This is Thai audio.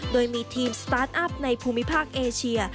โดยมีทีมสตาร์ทอัพในภูมิภาคเอเชีย